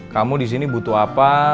kamu disini butuh apa